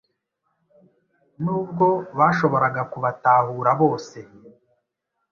nubwo bashoboraga kubatahura bose